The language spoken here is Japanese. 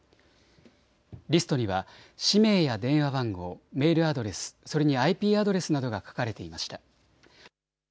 リストには氏名や電話番号、メールアドレス、それにＩＰアドレスなどが書かれていました。